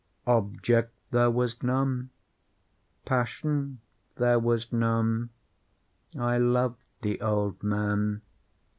Object there was none. Passion there was none. I loved the old man.